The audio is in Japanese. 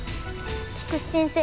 菊地先生